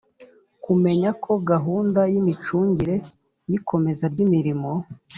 kumenya ko gahunda y imicungire y ikomeza ry imirimo